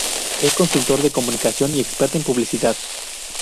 Es consultor de Comunicación y experto en publicidad.